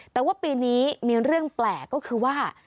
แต่ว่าปีนี้มีเรื่องแปลกก็คือว่า